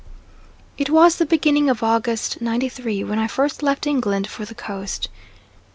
It was the beginning of August '93 when I first left England for "the Coast."